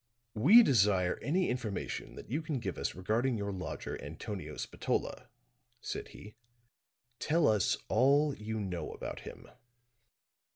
"We desire any information that you can give us regarding your lodger, Antonio Spatola," said he. "Tell us all you know about him."